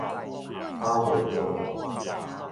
九月重陽